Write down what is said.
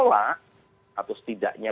menolak atau setidaknya